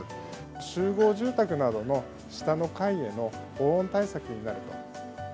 集合住宅などの下の階への防音対策になると。